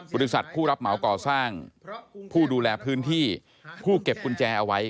บริษัทผู้รับเหมาก่อสร้างผู้ดูแลพื้นที่ผู้เก็บกุญแจเอาไว้